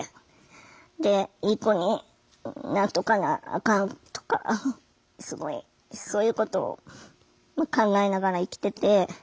いい子になっとかなあかんとかすごいそういうことを考えながら生きてて。